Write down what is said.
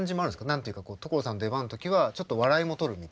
何て言うか所さんの出番の時はちょっと笑いも取るみたいな。